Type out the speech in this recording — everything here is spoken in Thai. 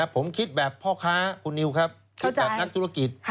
ผมคิดแบบพ่อค้าคุณนิวครับคิดแบบนักธุรกิจ